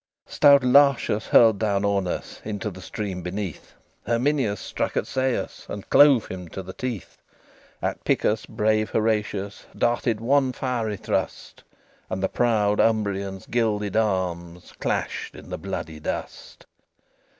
XXXVIII Stout Lartius hurled down Aunus Into the stream beneath; Herminius struck at Seius, And clove him to the teeth; At Picus brave Horatius Darted one fiery thrust; And the proud Umbrian's gilded arms Clashed in the bloody dust.